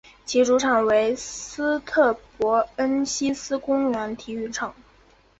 其主场为斯特伯恩希思公园体育场。